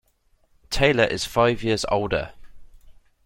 Taylor is five years older.